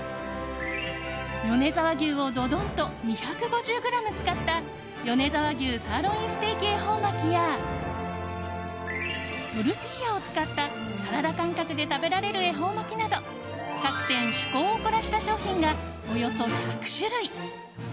米沢牛をどどんと２５０ｇ使った米沢牛サーロインステーキ恵方巻やトルティーヤを使ったサラダ感覚で食べられる恵方巻きなど各店、趣向を凝らした商品がおよそ１００種類。